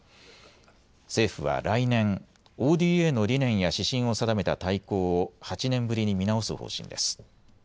政府は来年、ＯＤＡの理念や指針を定めた大綱を８年ぶりに見直す方針です。